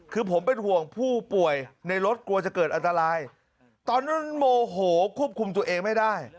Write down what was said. คือผมเป็นห่วงผู้ป่วยในรถกลัวจะเกิดอันตรายตอนนั้นโมโหควบคุมตัวเองไม่ได้